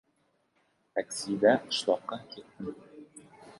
Taksida qishloqqa keldim.